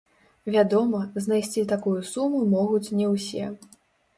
Вядома, знайсці такую суму могуць не ўсе.